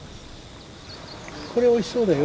これおいしそうだよ。